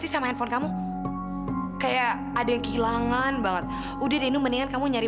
sampai jumpa di video selanjutnya